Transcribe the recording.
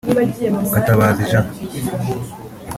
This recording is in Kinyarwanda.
Gatabazi J